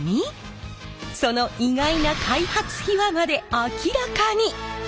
その意外な開発秘話まで明らかに！